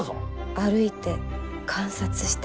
歩いて観察して。